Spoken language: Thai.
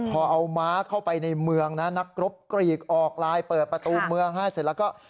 พอเอาม้าเข้าไปในเมืองนะนักรบกรีกออกไลน์เปิดประตูเมืองให้เสร็จแล้วก็